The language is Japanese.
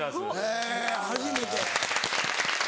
へぇ初めて。